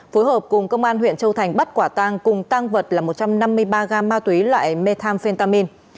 phối hợp cùng công an huyện châu thành bắt quả tang cùng tăng vật là một trăm năm mươi ba gam ma túy loại methamphetamin